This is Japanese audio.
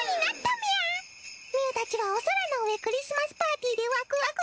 みゅーたちはお空の上クリスマスパーティーでワクワク